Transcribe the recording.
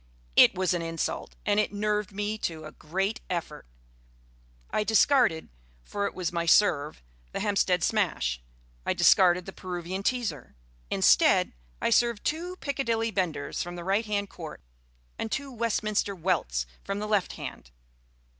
It was an insult, and it nerved me to a great effort. I discarded for it was my serve the Hampstead Smash; I discarded the Peruvian Teaser. Instead, I served two Piccadilly Benders from the right hand court and two Westminster Welts from the left hand.